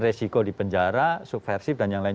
resiko di penjara subversif dan yang lain